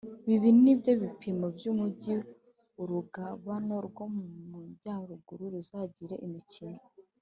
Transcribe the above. b Ibi ni byo bipimo by umugi urugabano rwo mu majyaruguru ruzagire imikono